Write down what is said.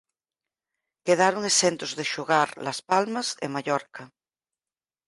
Quedaron exentos de xogar Las Palmas e Mallorca.